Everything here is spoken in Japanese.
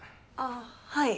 あはい。